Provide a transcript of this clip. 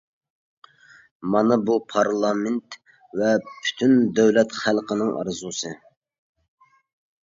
مانا بۇ پارلامېنت ۋە پۈتۈن دۆلەت خەلقىنىڭ ئارزۇسى.